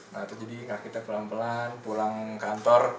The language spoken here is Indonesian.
nah itu jadi kita pelan pelan pulang kantor